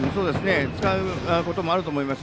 使うこともあると思います。